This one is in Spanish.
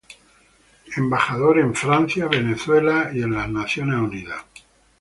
Embajador en Francia, Venezuela y Naciones Unidas.